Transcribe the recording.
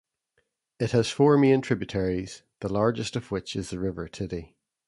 It has four main tributaries, the largest of which is the River Tiddy.